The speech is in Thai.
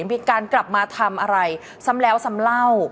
มีการกลับมาทำอะไรซ้ำแล้วซ้ำเล่า